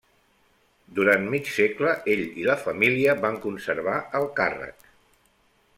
Durant mig segle ell i la família van conservar el càrrec.